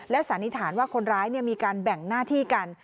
สันนิษฐานว่าคนร้ายมีการแบ่งหน้าที่กัน